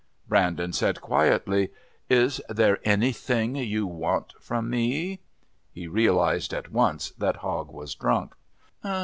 Brandon said quietly, "Is there anything you want with me?" He realised at once that Hogg was drunk.